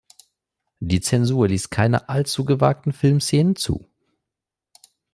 Die Zensur ließ keine allzu gewagten Filmszenen zu.